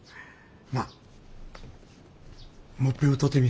なあもっぺん歌てみ